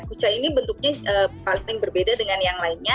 uca ini bentuknya paling berbeda dengan yang lainnya